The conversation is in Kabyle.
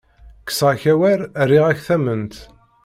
Kkseɣ-ak awal, rriɣ-ak tamment.